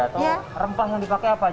atau rempah yang dipakai apa